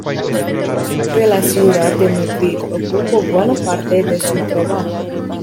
El estudio sobre la ciudad de Madrid ocupó buena parte de su trabajo.